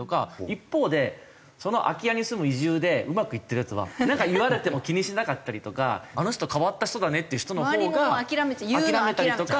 一方で空き家に住む移住でうまくいってるヤツはなんか言われても気にしなかったりとか「あの人変わった人だね」っていう人のほうが諦めたりとか。